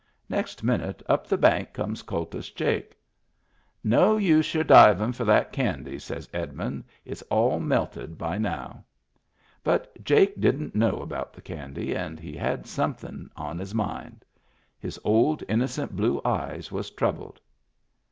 Next minute up the bank comes Kultus Jake. "No use your divin* for that candy," says Edmund; "it's all melted by now." But Jake didn't know about the candy and he had somethin' on his mind. His old innocent blue eyes was troubled.